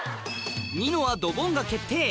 ニノはドボンが決定